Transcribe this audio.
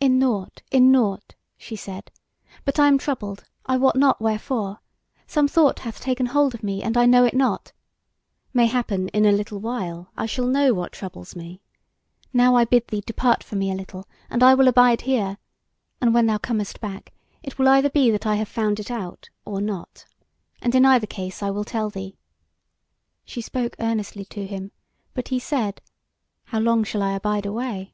"In nought, in nought," she said; "but I am troubled, I wot not wherefore; some thought hath taken hold of me, and I know it not. Mayhappen in a little while I shall know what troubles me. Now I bid thee depart from me a little, and I will abide here; and when thou comest back, it will either be that I have found it out or not; and in either case I will tell thee." She spoke earnestly to him; but he said: "How long shall I abide away?"